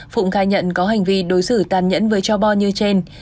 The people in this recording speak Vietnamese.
phụng khai nhận có hành vi đối xử tàn nhẫn với cháu bò như trên